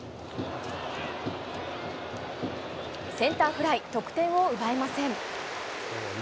センターフライ、得点を奪えません。